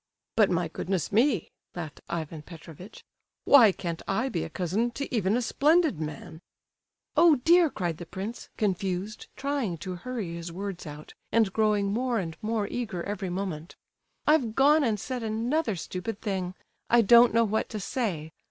"But, my goodness me," laughed Ivan Petrovitch, "why can't I be cousin to even a splendid man?" "Oh, dear!" cried the prince, confused, trying to hurry his words out, and growing more and more eager every moment: "I've gone and said another stupid thing. I don't know what to say.